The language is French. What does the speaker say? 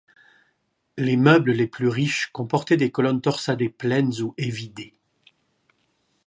Les meubles les plus riches comportaient des colonnes torsadées pleines ou évidées.